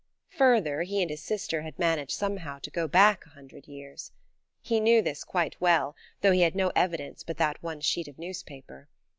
Further, he and his sister had managed somehow to go back a hundred years. He knew this quite well, though he had no evidence but that one sheet of newspaper.